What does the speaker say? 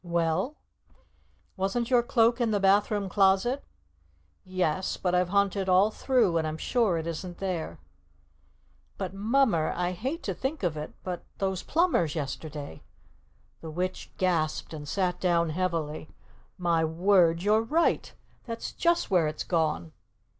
"Well?" "Wasn't your Cloak in the bathroom closet?" "Yes, but I've hunted all through and I'm sure it isn't there." "But, Mummer, I hate to think of it but those plumbers yesterday " The witch gasped and sat down heavily. "My word! You're right! That's just where it's gone!"